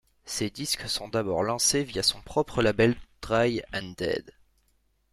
Ses disques sont d'abord lancés via son propre label Dry and Dead.